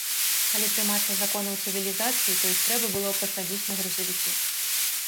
Калі трымацца законаў цывілізацыі, то іх трэба было б пасадзіць на грузавікі.